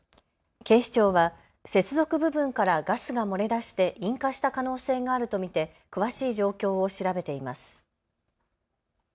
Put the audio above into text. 警視庁は接続部分からガスが漏れ出して引火した可能性があると見て詳しい状況を調べています。